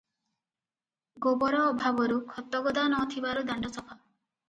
ଗୋବର ଅଭାବରୁ ଖତଗଦା ନଥିବାରୁ ଦାଣ୍ତ ସଫା ।